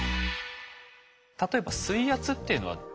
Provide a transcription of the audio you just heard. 例えば水圧っていうのは？